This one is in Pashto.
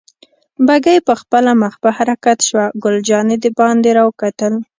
بګۍ پخپله مخ په حرکت شوه، ګل جانې دباندې را وکتل.